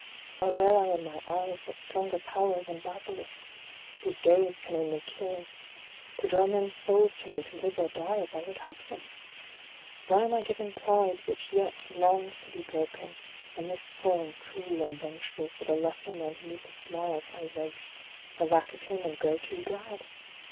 why wear I in my eyes that stronger power than basilisks, whose gaze can only kill, to draw men's souls to me to live or die as I would have them? why am I given pride which yet longs to be broken, and this scorn cruel and vengeful for the lesser men who meet the smiles I waste for lack of him and grow too glad?